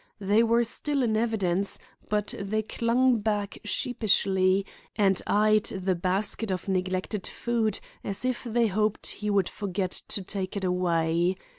They were still in evidence, but they hung back sheepishly and eyed the basket of neglected food as if they hoped he would forget to take it away.